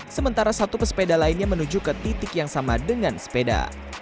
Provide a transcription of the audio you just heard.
sementara satu pesepeda lainnya menuju ke titik yang sama dengan sepeda